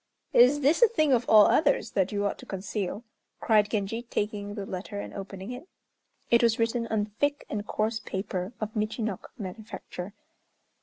"Is this a thing of all others that you ought to conceal," cried Genji, taking the letter and opening it. It was written on thick and coarse paper of Michinok manufacture.